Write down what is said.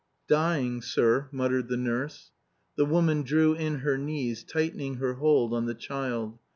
"Dying, sir," muttered the nurse. The woman drew in her knees, tightening her hold on the child.